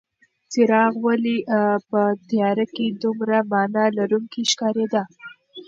څراغ ولې په تیاره کې دومره مانا لرونکې ښکارېده؟